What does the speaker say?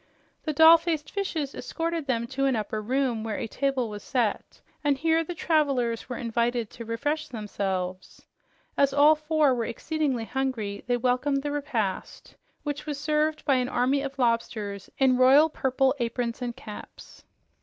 The doll faced fishes escorted them to an upper room where a table was set, and here the revelers were invited to refresh themselves. As all four were exceedingly hungry, they welcomed the repast, which was served by an army of lobsters in royal purple aprons and caps.